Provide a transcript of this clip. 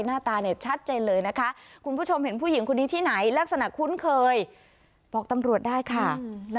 หน้าตาชัดเจนเลยนะคะคุณผู้ชมเห็นผู้หญิงคนนี้ที่ไหนลักษณะคุ้นเคยบอกตำรวจได้ค่ะ